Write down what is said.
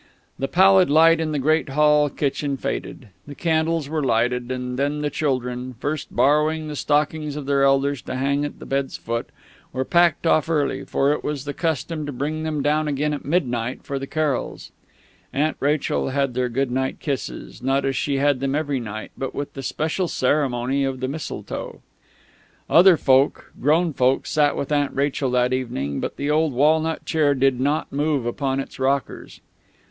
The pallid light in the great hall kitchen faded; the candles were lighted; and then the children, first borrowing the stockings of their elders to hang at the bed's foot, were packed off early for it was the custom to bring them down again at midnight for the carols. Aunt Rachel had their good night kisses, not as she had them every night, but with the special ceremony of the mistletoe. Other folk, grown folk, sat with Aunt Rachel that evening; but the old walnut chair did not move upon its rockers.